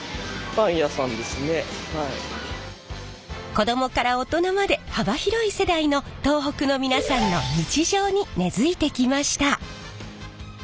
子供から大人まで幅広い世代の東北の皆さんの日常に根づいてきました。